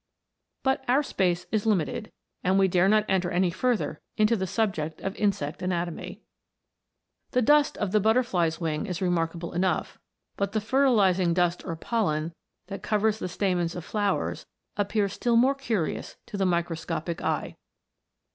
But our space is limited, and we dare not enter any further into the subject of insect anatomy. The dust of the butterfly's wing is remarkable enough, but the fertilizing dust or pollen that covers the stamens of flowers, appears still more curious to THE INVISIBLE WORLD. 229 the microscopic eye.